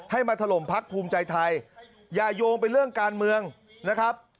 มาถล่มพักภูมิใจไทยอย่าโยงไปเรื่องการเมืองนะครับ